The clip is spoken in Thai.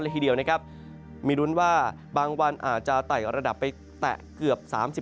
ทีเดียวนะครับมีรุ้นว่าบางวันอาจจะไต่ระดับไปแตะเกือบ๓๔